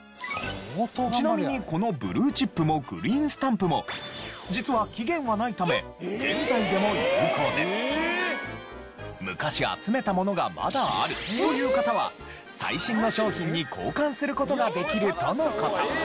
ちなみにこのブルーチップもグリーンスタンプも実は昔集めたものがまだあるという方は最新の商品に交換する事ができるとの事。